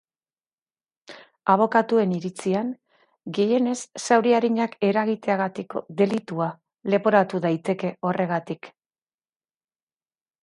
Abokaturen iritzian, gehienez zauri arinak eragiteagatiko delitua leporatu daiteke horregatik.